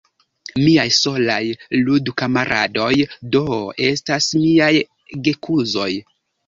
Miaj solaj ludkamaradoj, do, estas miaj gekuzoj.